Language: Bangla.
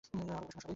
ভালভাবে শোন, সবাই।